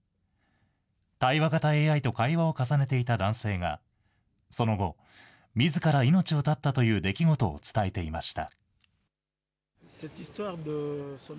対話型ＡＩと会話を重ねていた男性が、その後、みずから命を絶ったという出来事を伝えていました。